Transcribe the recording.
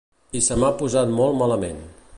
I se m’ha posat molt malament.